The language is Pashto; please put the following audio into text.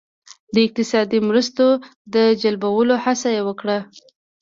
د اقتصادي مرستو د جلبولو هڅه یې وکړه.